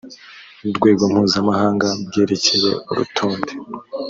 rwego mpuzamahanga bwerekeye urutonde